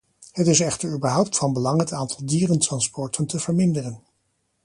Het is echter überhaupt van belang het aantal dierentransporten te verminderen.